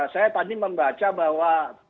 saya tadi membaca bahwa